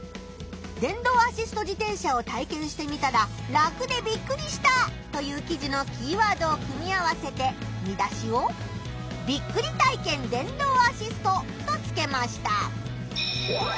電動アシスト自転車を体験してみたら「楽でびっくりした」という記事のキーワードを組み合わせて見出しを「ビックリ体験電動アシスト」とつけました。